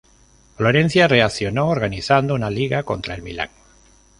Florencia reaccionó organizando una liga contra el Milán.